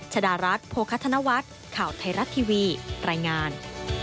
ชดารัฐโภคธนวัฒน์ข่าวไทยรัฐทีวีรายงาน